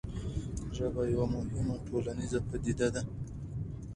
ژبه یوه مهمه ټولنیزه پدیده ده.